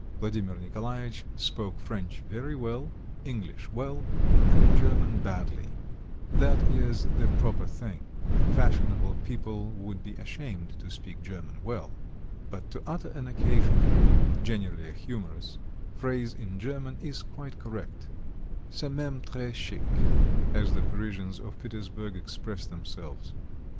Vladimir Nikolaitch spoke French very well, English well, and German badly; that is the proper thing; fashionable people would be ashamed to speak German well; but to utter an occasional generally a humorous phrase in German is quite correct, c'est même très chic, as the Parisians of Petersburg express themselves.